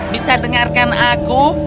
bisa dengarkan aku